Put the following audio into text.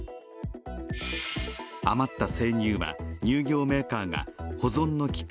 余った生乳は、乳業メーカーが保存の利く